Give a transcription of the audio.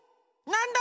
なんだ？